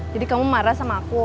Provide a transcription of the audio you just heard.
jadi kamu marah sama aku